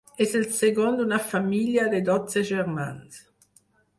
És el segon d'una família de dotze germans.